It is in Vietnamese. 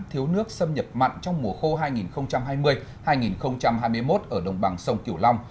thiếu nước xâm nhập mặn trong mùa khô hai nghìn hai mươi hai nghìn hai mươi một ở đồng bằng sông kiểu long